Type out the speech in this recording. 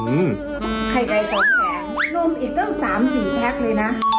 ซื้อมามากด้วยตั้ง๖ห่อไข่ใกรเจาะแขกอืม